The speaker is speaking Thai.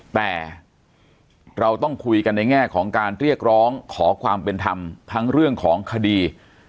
แต่เราต้องคุยกันในแง่ของการเรียกร้องขอความเป็นธรรมทั้งเรื่องของคดี